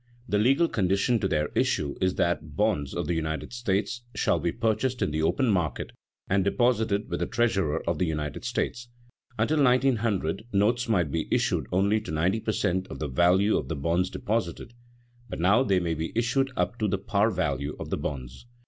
The legal condition to their issue is that bonds of the United States shall be purchased in the open market and deposited with the treasurer of the United States. Until 1900, notes might be issued only to ninety per cent. of the value of the bonds deposited; but now they may be issued up to the par value of the bonds.